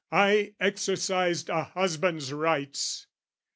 "I exercised a husband's rights."